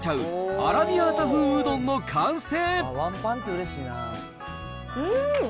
アラビアータ風うどんの完成。